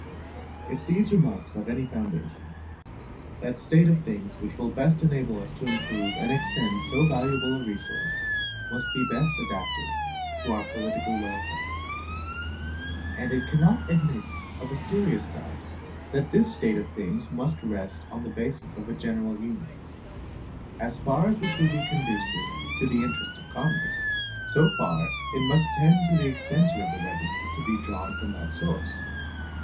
If these remarks have any foundation, that state of things which will best enable us to improve and extend so valuable a resource must be best adapted to our political welfare. And it cannot admit of a serious doubt, that this state of things must rest on the basis of a general Union. As far as this would be conducive to the interests of commerce, so far it must tend to the extension of the revenue to be drawn from that source.